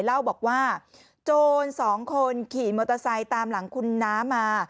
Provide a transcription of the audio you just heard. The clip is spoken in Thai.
เล่าบอกว่าโจรสองคนขี่มอเตอร์ไซค์ตามหลังคุณน้ามา